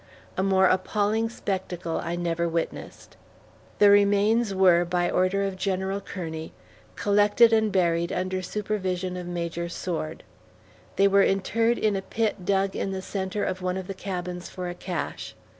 A more appalling spectacle I never witnessed. The remains were, by order of General Kearney, collected and buried under supervision of Major Sword. They were interred in a pit dug in the centre of one of the cabins for a cache.